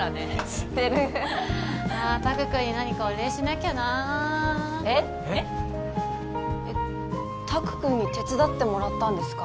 知ってる拓くんに何かお礼しなきゃなえっえっえっ拓くんに手伝ってもらったんですか？